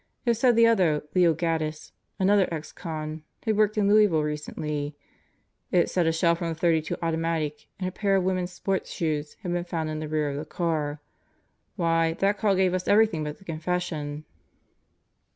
It said the other, Leo Gaddis, another ex con, had worked in Louisville recently. It said a shell from a .32 automatic and a pair of women's sport shoes had been found in the rear of the car. Why, that call gave us everything but the confession."